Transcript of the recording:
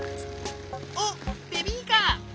あっベビーカー！